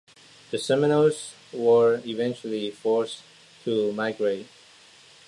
The Seminoles were eventually forced to migrate.